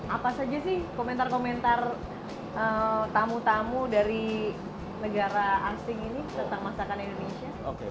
apa saja sih komentar komentar tamu tamu dari negara asing ini tentang masakan indonesia